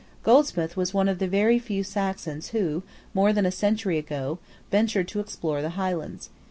Goldsmith was one of the very few Saxons who, more than a century ago, ventured to explore the Highlands.